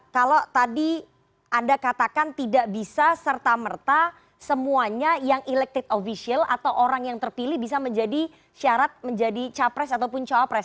kalau tadi anda katakan tidak bisa serta merta semuanya yang elected official atau orang yang terpilih bisa menjadi syarat menjadi capres ataupun cawapres